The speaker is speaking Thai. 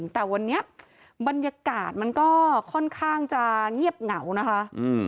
แต่วันนี้บรรยากาศมันก็ค่อนข้างจะเงียบเหงานะคะ